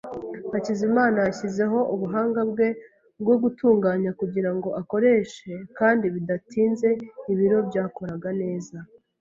Hakizimana yashyizeho ubuhanga bwe bwo gutunganya kugirango akoreshe kandi bidatinze ibiro byakoraga neza.